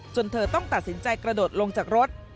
เธอต้องตัดสินใจกระโดดลงจากรถ